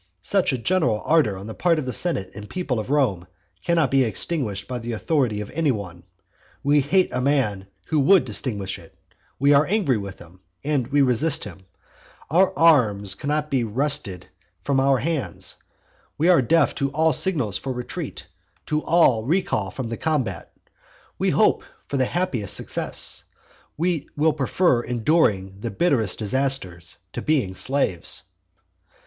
Such a general ardour on the part of the senate and people of Rome cannot be extinguished by the authority of any one: we hate a man who would extinguish it; we are angry with him, and resist him; our arms cannot be wrested from our hands; we are deaf to all signals for retreat, to all recal from the combat. We hope for the happiest success; we will prefer enduring the bitterest disaster to being slaves.